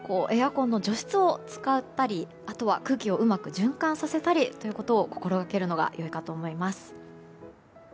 室内でもエアコンの除湿を使ったり、空気をうまく循環させたりすることを心がけるのがよいかと思います。